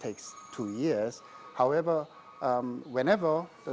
karena itulah ini membutuhkan dua tahun